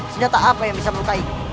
senjata apa yang bisa melukai